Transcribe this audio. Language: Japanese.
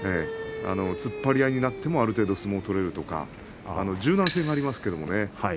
突っ張り合いになってもある程度相撲が取れるとか柔軟性がありますからね。